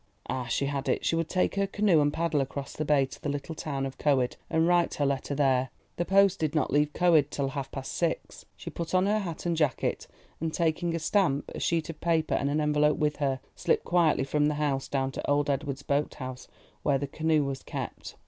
Ah, she had it; she would take her canoe and paddle across the bay to the little town of Coed and write her letter there. The post did not leave Coed till half past six. She put on her hat and jacket, and taking a stamp, a sheet of paper, and an envelope with her, slipped quietly from the house down to old Edward's boat house where the canoe was kept.